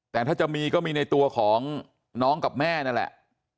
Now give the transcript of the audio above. แต่ถ้าจะมีก็มีในตัวของน้องกับแม่นั่นแหละ